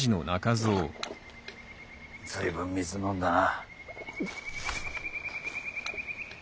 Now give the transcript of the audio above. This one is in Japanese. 随分水飲んだな。